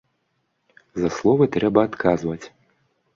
За словы трэба адказваць.